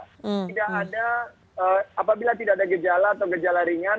tidak ada apabila tidak ada gejala atau gejala ringan